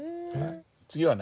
次はね